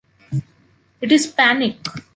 It is panic!